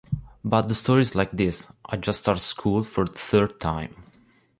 But the story's like this… I just started school, for the third time.